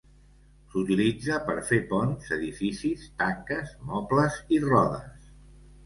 S'utilitza per fer ponts, edificis, tanques, mobles i rodes.